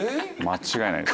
間違いない！